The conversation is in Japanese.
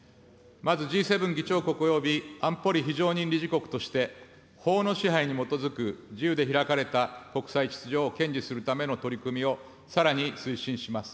まずＧ７議長国および安保理非常任理事国として、法の支配に基づく自由で開かれた国際秩序を堅持するための取り組みをさらに推進します。